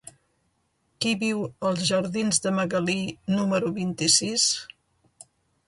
Qui viu als jardins de Magalí número vint-i-sis?